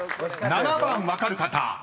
７番分かる方］